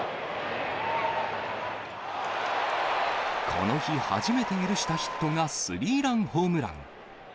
この日、初めて許したヒットがスリーランホームラン。